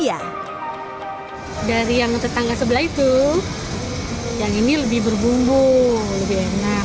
iya dari yang tetangga sebelah itu yang ini lebih berbumbu lebih enak